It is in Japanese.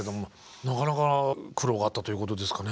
なかなか苦労があったということですかね